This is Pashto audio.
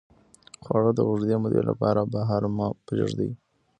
خواړه د اوږدې مودې لپاره بهر مه پرېږدئ.